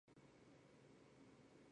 外婆还是很坚强